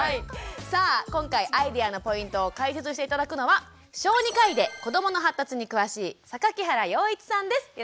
さあ今回アイデアのポイントを解説して頂くのは小児科医で子どもの発達に詳しい榊原洋一さんです。